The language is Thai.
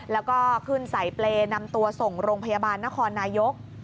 แล้วก็ขึ้นใส่เปรย์นำตัวส่งโรงพยาบาลนครนายก